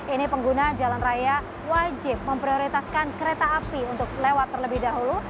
ini pengguna jalan raya wajib memprioritaskan kereta api untuk lewat terlebih dahulu